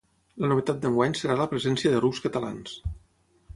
La novetat d'enguany serà la presència de rucs catalans.